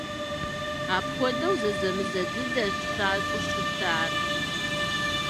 Апхуэдэу зэзэмызэ дыдэщ щащӀу щытар.